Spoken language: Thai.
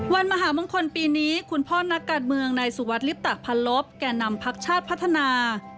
มหามงคลปีนี้คุณพ่อนักการเมืองนายสุวัสดิลิปตะพันลบแก่นำพักชาติพัฒนา